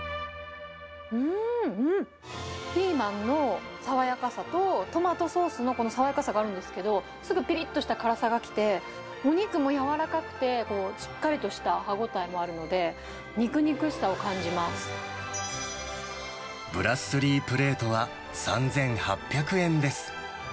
うーん、ピーマンの爽やかさと、トマトソースのこの爽やかさがあるんですけど、すぐぴりっとした辛さが来て、お肉も柔らかくて、しっかりとした歯応えもあるので、ブラッスリープレートは、３８００円です。